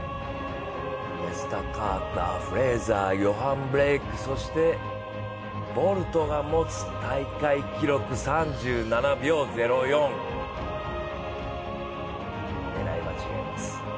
ネスタ・カーター、フレイター、ヨハン・ブレイク、そしてボルトが持つ大会記録、３７秒０４、狙いは違います。